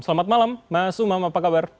selamat malam mas umam apa kabar